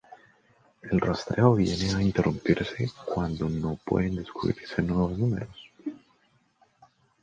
El rastreo viene a interrumpirse cuando no pueden descubrirse nuevos números.